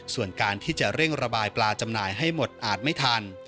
ส่วนการที่จะเร่งระบายปลาจำหน่ายให้หมดอาจไม่ทัน